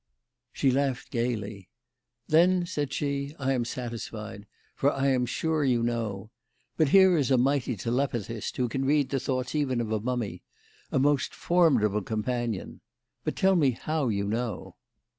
She laughed gaily. "Then," said she, "I am satisfied, for I am sure you know. But here is a mighty telepathist who can read the thoughts even of a mummy. A most formidable companion. But tell me how you know."